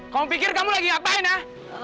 kamu pikir kamu lagi ngapain ah